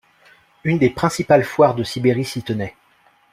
Une des principales foires de Sibérie s'y tenait.